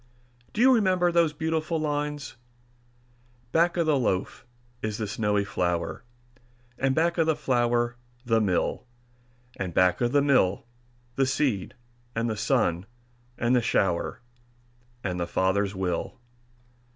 Do you remember those beautiful lines, "Back of the loaf is the snowy flour, And back of the flour, the mill; And back of the mill, the seed, and the sun, and the shower, And the Father's will."